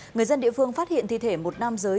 người dân địa phương phát hiện thi thể một nam giới